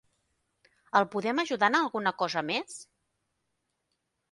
El podem ajudar amb alguna cosa més?